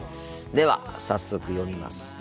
では早速読みます。